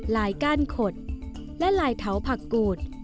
ลายก้านขดและลายเท้าผักกูธ